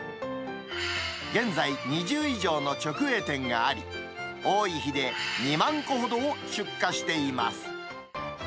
現在、２０以上の直営店があり、多い日で２万個ほどを出荷しています。